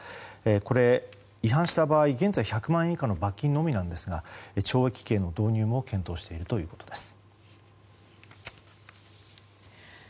これに違反した場合現在１００万円以下の罰金のみなんですが懲役刑の導入も検討しているということです。